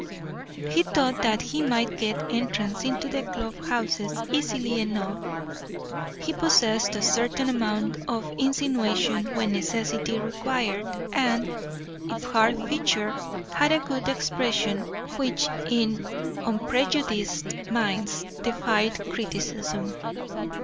He thought that he might get entrance into the club houses easily enough. He possessed a certain amount of insinuation when necessity required, and, if hard featured, had a good expression which in unprejudiced minds defied criticism.